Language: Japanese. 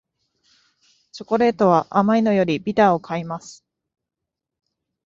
チョコレートは甘いのよりビターを買います